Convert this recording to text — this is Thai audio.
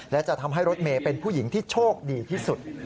และจะทำให้รถเมย์เป็นผู้หญิงที่โชคดีที่สุด